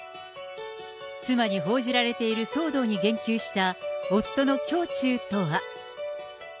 妻に報じられている騒動に言及した、夫の胸中とは。